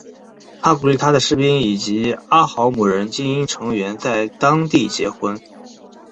他鼓励他的士兵以及阿豪姆人精英成员在当地结婚。